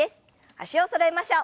脚をそろえましょう。